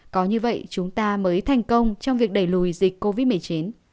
có như vậy chúng ta mới thành công trong việc đẩy lùi dịch covid một mươi chín